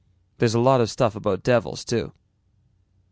There's a lot of stuff about devils, too."